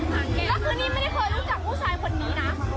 ไม่เคยได้คุยกับสำคัญเลย